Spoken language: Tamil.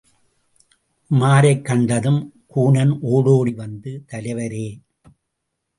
உமாரைக் கண்டதும், கூனன் ஓடோடி வந்து, தலைவரே!